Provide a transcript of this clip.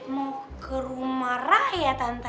mau ke rumah rakyat tante